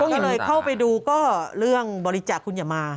ก็เลยเข้าไปดูก็เรื่องบริจาคคุณอย่ามา